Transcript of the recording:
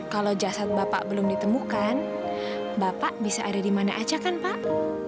kalau jasad bapak belum ditemukan bapak bisa ada dimana aja kan pak